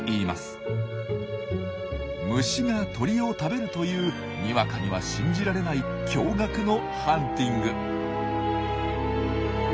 虫が鳥を食べるというにわかには信じられない驚がくのハンティング。